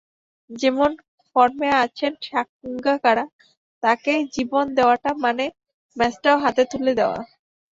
যেমন ফর্মে আছেন সাঙ্গাকারা, তাঁকে জীবন দেওয়া মানে ম্যাচটাও হাতে তুলে দেওয়া।